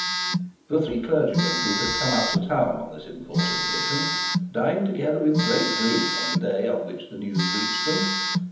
The three clergymen who had come up to town on this important mission dined together with great glee on the day on which the news reached them.